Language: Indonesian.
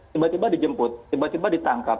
tiba tiba dijemput tiba tiba ditangkap